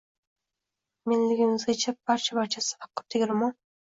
“Men”ligimizgacha barcha-barchasi tafakkur tegirmon